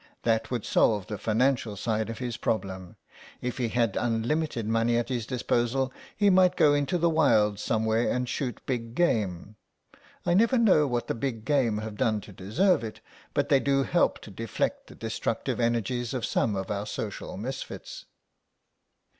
That would solve the financial side of his problem. If he had unlimited money at his disposal, he might go into the wilds somewhere and shoot big game. I never know what the big game have done to deserve it, but they do help to deflect the destructive energies of some of our social misfits."